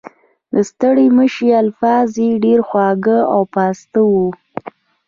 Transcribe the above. د ستړي مشي الفاظ یې ډېر خواږه او پاسته وو.